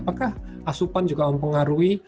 apakah asupan juga mempengaruhi